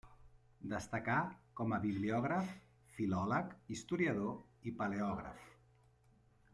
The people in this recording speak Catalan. Destacà com a bibliògraf, filòleg, historiador i paleògraf.